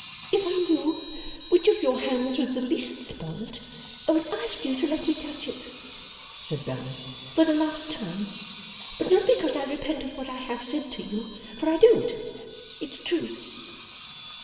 'If I knew which of your hands was the least spoilt, I would ask you to let me touch it,' said Bella, 'for the last time. But not because I repent of what I have said to you. For I don't. It's true!